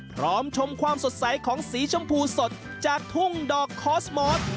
ชมความสดใสของสีชมพูสดจากทุ่งดอกคอสมอส